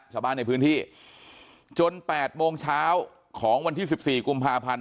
ชาวบ้านในพื้นที่จน๘โมงเช้าของวันที่๑๔กุมภาพันธ์